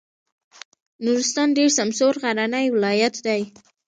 نورستان ډېر سمسور غرنی ولایت دی.